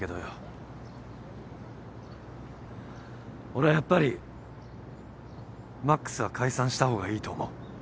俺はやっぱり魔苦須は解散した方がいいと思う。